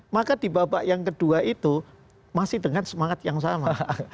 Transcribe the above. maka di babak yang kedua itu masih dengan semangat yang sama